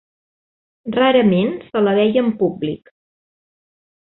Rarament se la veia en públic.